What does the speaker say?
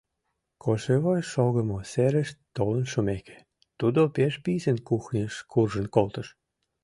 Кошевой шогымо серыш толын шумеке, тудо пеш писын кухньыш куржын колтыш.